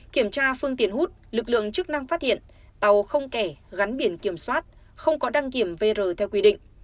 kiểm tra phương tiện hút lực lượng chức năng phát hiện tàu không kẻ gắn biển kiểm soát không có đăng kiểm vr theo quy định